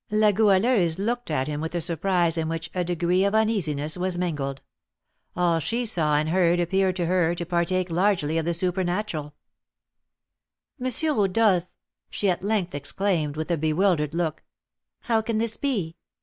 La Goualeuse looked at him with a surprise in which a degree of uneasiness was mingled; all she saw and heard appeared to her to partake largely of the supernatural. "M. Rodolph," she at length exclaimed, with a bewildered look, "how can this be?